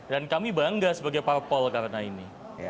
dan kami bangga sebagai pak pol karena ini